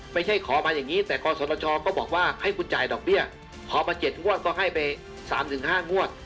ไม่ใช่ขอมาอย่างนี้แต่กศชก็บอกว่าให้คุณจ่ายดอกเบี้ยขอมา๗งวดก็ให้ไป๓๕งวด